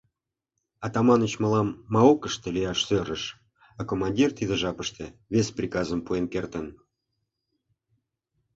Атаманыч мылам Маокышто лияш сӧрыш, а командир тиде жапыште вес приказым пуэн кертын.